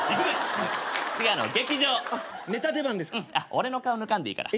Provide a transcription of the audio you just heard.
俺の顔抜かんでいいから。